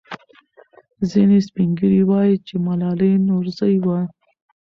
ځینې سپین ږیري وایي چې ملالۍ نورزۍ وه.